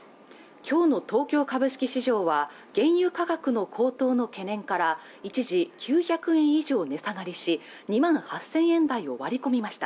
きょうの東京株式市場は原油価格の高騰の懸念から一時９００円以上値下がりし２万８０００円台を割り込みました